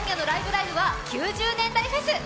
ライブ！」は、９０年代フェス！